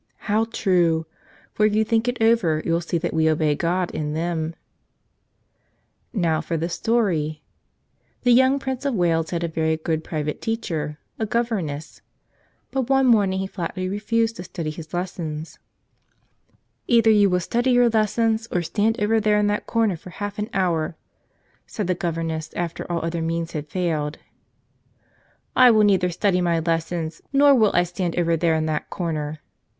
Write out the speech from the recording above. How true; for if you think it over you'll see that we obey God in them. Now for the story. The young Prince of Wales had a very good private teacher, a governess. But one morning he flatly refused to study his lessons. "Either you will study your lessons or stand over there in that corner for half an hour," said the gov¬ erness, after all other means had failed. "I will neither study my lessons nor will I stand over there in that corner